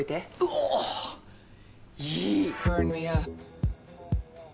おぉいい。